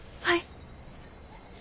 はい。